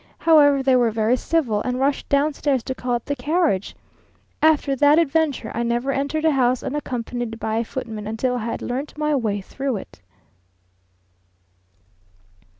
However, they were very civil, and rushed downstairs to call up the carriage. After that adventure I never entered a house unaccompanied by a footman, until I had learnt my way through it.